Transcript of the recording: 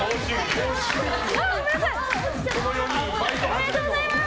おめでとうございます！